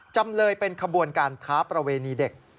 จำเลยเป็นขบวนการค้าประเวณีเด็ก